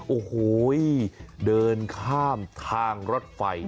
โอ้โหเดินข้ามทางรถไฟ